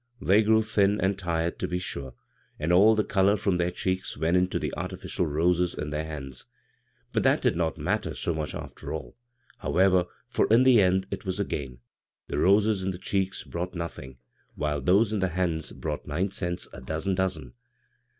They grew thin and tired, to be sure, and all the color from their cheeks went into the artifi cial roses in their hands; but that did not matter so much after all, however, for in the end it was a gain — the roses in the cheeks brought nothing, while tboee in the hands brought nine cents a dozen dozen.